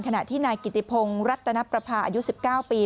ขณะที่นายกิติพงศ์รัตนประพาอายุ๑๙ปี